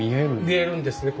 見えるんですね。